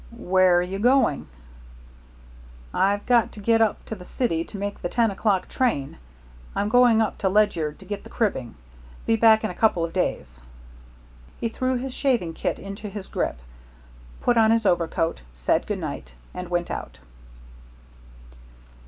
"Where're you going?" "I've got to get up to the city to make the ten o'clock train. I'm going up to Ledyard to get the cribbing. Be back in a couple of days." He threw his shaving kit into his grip, put on his overcoat, said good night, and went out.